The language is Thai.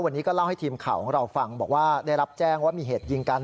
วันนี้ก็เล่าให้ทีมข่าวของเราฟังบอกว่าได้รับแจ้งว่ามีเหตุยิงกัน